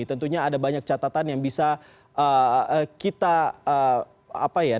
tentunya ada banyak catatan yang bisa diperhatikan